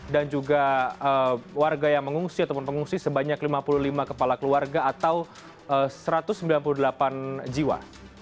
dan juga warga yang mengungsi atau pengungsi sebanyak lima puluh lima kepala keluarga atau satu ratus sembilan puluh delapan jiwa